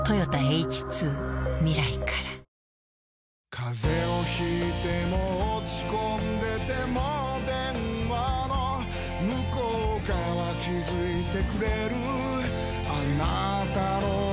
風邪を引いても落ち込んでても電話の向こう側気付いてくれるあなたの声